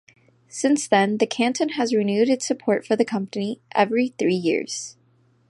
Since then, the canton has renewed its support for the company every three years.